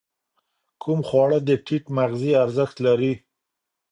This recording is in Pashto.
کوم خواړه د ټیټ مغذي ارزښت لري؟